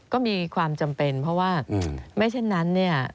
ก็มีความจำเป็นเพราะว่าไม่เช่นนั้นเนี่ย